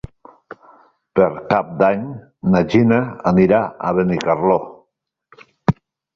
Per Cap d'Any na Gina anirà a Benicarló.